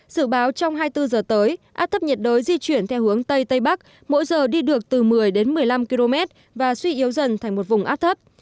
sự báo trong hai mươi bốn giờ tới áp thấp nhiệt đới di chuyển theo hướng tây tây bắc mỗi giờ đi được từ một mươi một mươi năm km và suy yếu dần thành một vùng áp thấp